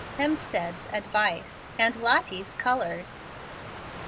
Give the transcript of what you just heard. HEMSTEAD'S ADVICE, AND LOTTIE'S COLORS.